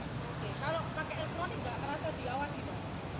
kalau pakai elektronik tidak terasa diawasi